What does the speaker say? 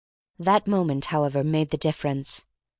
That moment, however, made the difference.